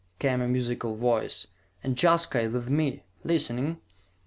came a musical voice. "And Jaska is with me, listening!"